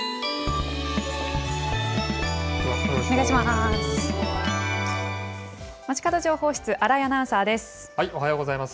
お願いします。